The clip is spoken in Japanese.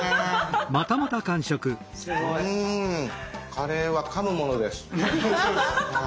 カレーはかむものです。